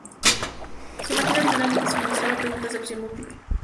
Su máquina originalmente suministraba preguntas de opción múltiple.